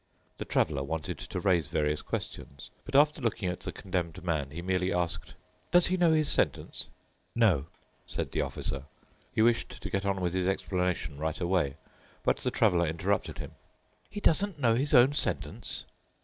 The Traveler wanted to raise various questions, but after looking at the Condemned Man he merely asked, "Does he know his sentence?" "No," said the Officer. He wished to get on with his explanation right away, but the Traveler interrupted him: "He doesn't know his own sentence?"